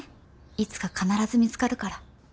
いつか必ず見つかるから。